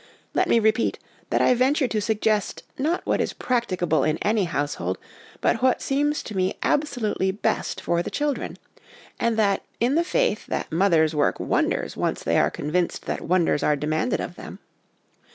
Let me repeat, that I venture to suggest, not what is practicable in any household, but what seems to me absolutely best for the children ; and that, in the faith that mothers work wonders once they are convinced that wonders are demanded of them.